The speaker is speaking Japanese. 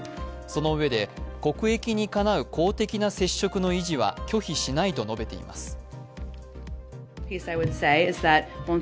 そのうえで、国益にかなう公的な接触の維持は拒否しないとしています。